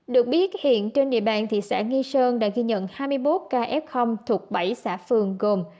được biết hiện trên địa bàn thị xã nghi sơn đã ghi nhận hai mươi bốn kf thuộc bảy xã phường gồm